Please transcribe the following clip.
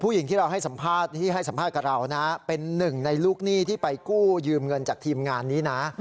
ผู้หญิงที่ให้สัมภาษณ์กับเรานะเป็นหนึ่งในลูกหนี้ที่ไปกู้ยืมเงินจากทีมงานนี้นะ